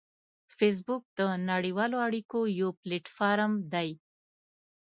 فېسبوک د نړیوالو اړیکو یو پلیټ فارم دی